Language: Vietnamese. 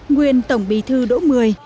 nguyên tổng bỉ thứ đổ mươi